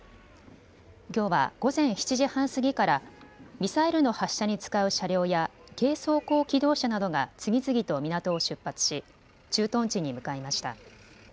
きょうは午前７時半過ぎからミサイルの発射に使う車両や軽装甲機動車などが次々と港を出発し駐屯地に向かいました。